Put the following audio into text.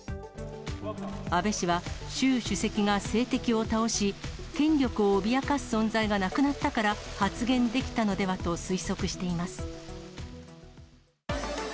安倍氏は、習主席が政敵を倒し、権力を脅かす存在がなくなったから発言できたのではと推測しています。